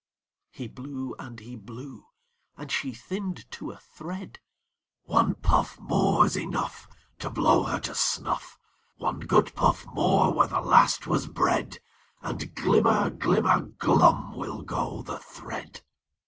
He blew and he blew, and she thinned to a thread. "One puff More's enough To blow her to snuff! One good puff more where the last was bred, And glimmer, glimmer, glum will go the thread!"